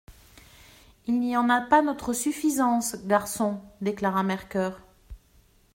«Il n'y en a pas notre suffisance, garçons, déclara Mercœur.